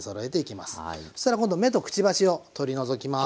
そしたら今度目とくちばしを取り除きます。